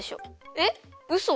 えっうそ？